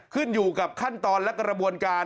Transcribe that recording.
ขึ้นอยู่กับขั้นตอนและกระบวนการ